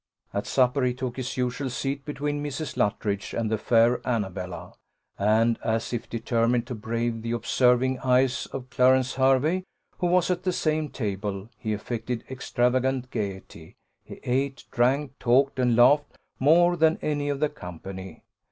At supper he took his usual seat between Mrs. Luttridge and the fair Annabella; and, as if determined to brave the observing eyes of Clarence Hervey, who was at the same table, he affected extravagant gaiety; he ate, drank, talked, and laughed, more than any of the company.